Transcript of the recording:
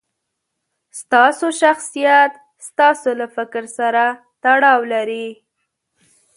ستاسو شخصیت ستاسو له فکر سره تړاو لري.